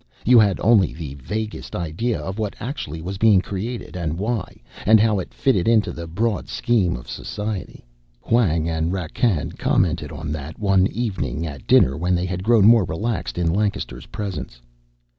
You had only the vaguest idea of what actually was being created, and why, and how it fitted into the broad scheme of society. Hwang and Rakkan commented on that, one "evening" at dinner when they had grown more relaxed in Lancaster's presence.